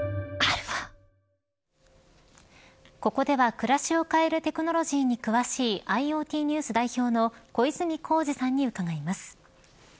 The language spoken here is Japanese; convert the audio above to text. ここでは、暮らしを変えるテクノロジーに詳しいＩｏＴＮＥＷＳ代表の小泉耕二さんに伺います。